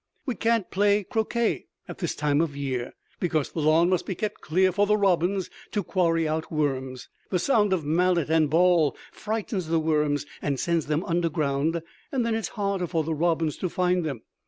We can't play croquet at this time of year, because the lawn must be kept clear for the robins to quarry out worms. The sound of mallet and ball frightens the worms and sends them underground, and then it's harder for the robins to find them.